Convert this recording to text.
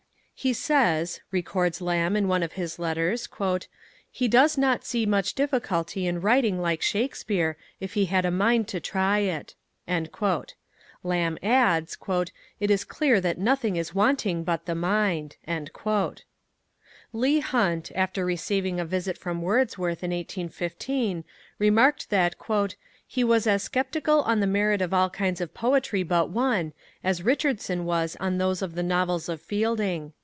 "He says," records Lamb in one of his letters, "he does not see much difficulty in writing like Shakespeare, if he had a mind to try it." Lamb adds: "It is clear that nothing is wanting but the mind." Leigh Hunt, after receiving a visit from Wordsworth in 1815, remarked that "he was as sceptical on the merit of all kinds of poetry but one as Richardson was on those of the novels of Fielding."